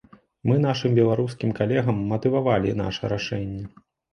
Мы нашым беларускім калегам матывавалі наша рашэнне.